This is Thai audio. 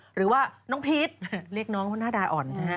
หรือว่าน้องพีชเรียกน้องหน้าดาอ่อนใช่ไหม